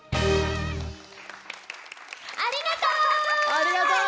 ありがとう！